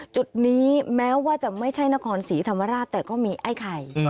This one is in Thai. จุดนี้แม้ว่าจะไม่ใช่นครศรีธรรมราชแต่ก็มีไอ้ไข่